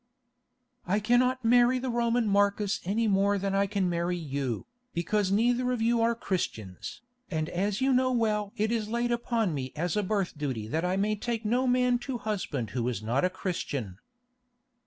"I cannot marry the Roman Marcus any more than I can marry you, because neither of you are Christians, and as you know well it is laid upon me as a birth duty that I may take no man to husband who is not a Christian."